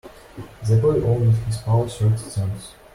The boy owed his pal thirty cents.